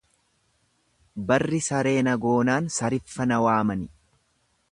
Barri saree na goonaan sariffa na waamani.